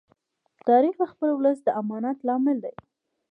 تاریخ د خپل ولس د امانت لامل دی.